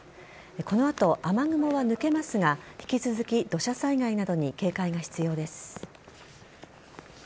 この後、雨雲は抜けますが引き続き土砂災害などに警戒が必要です。